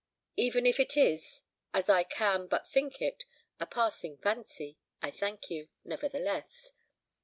Even if it is, as I can but think it, a passing fancy, I thank you, nevertheless.